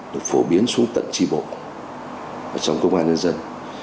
được phổ biến xuống tận tri bộ trong công an nhân dân